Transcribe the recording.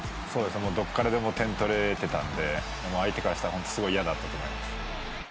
どこからでも点取れていたので相手からしたらすごい嫌だったと思います。